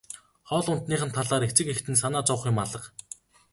Хоол ундных нь талаар эцэг эхэд нь санаа зовох юм алга.